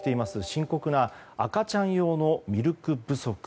深刻な赤ちゃん用のミルク不足。